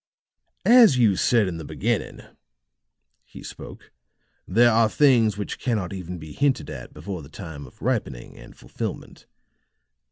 "As you said in the beginning," he spoke, "there are things which cannot even be hinted at before the time of ripening and fulfilment.